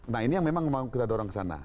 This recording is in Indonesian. nah ini yang memang mau kita dorong ke sana